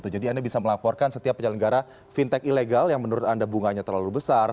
jadi anda bisa melaporkan setiap penyelenggara fintech ilegal yang menurut anda bunganya terlalu besar